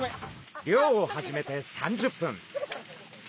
漁を始めて３０分。